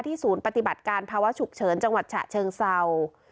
ศูนย์ปฏิบัติการภาวะฉุกเฉินจังหวัดฉะเชิงเศร้า